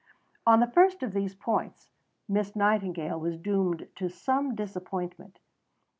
On the first of these points, Miss Nightingale was doomed to some disappointment.